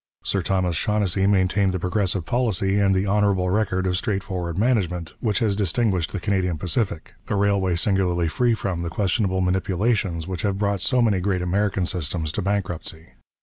Sir Thomas Shaughnessy maintained the progressive policy and the honourable record of straightforward management which has distinguished the Canadian Pacific a railway singularly free from the questionable manipulations which have brought so many great American systems to bankruptcy.